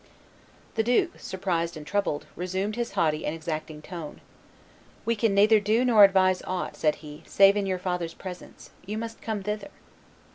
The duke, surprised and troubled, resumed his haughty and exacting tone: "We can neither do nor advise aught," said he, "save in your father's presence; you must come thither."